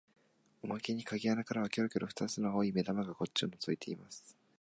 おまけに鍵穴からはきょろきょろ二つの青い眼玉がこっちをのぞいています